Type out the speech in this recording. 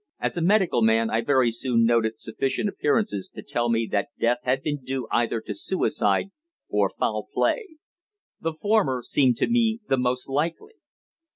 As a medical man I very soon noted sufficient appearances to tell me that death had been due either to suicide or foul play. The former seemed to me the most likely.